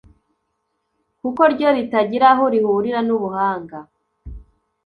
kuko ryo ritagira aho rihurira n'ubuhanga